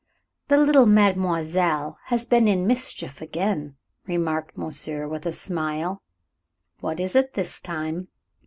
"The little mademoiselle has been in mischief again," remarked monsieur, with a smile. "What is it this time?"